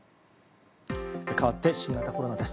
かわって新型コロナです。